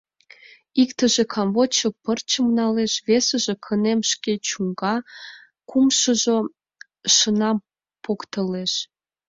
Иктыже камвочшо пырчым налеш, весыже кынем шке чуҥга, кумшыжо шыҥам поктылеш.